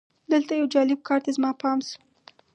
دلته یو جالب کار ته زما پام شو.